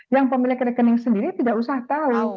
yang pemilik rekening sendiri tidak usah tahu